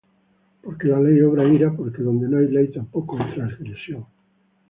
Porque la ley obra ira; porque donde no hay ley, tampoco hay transgresión.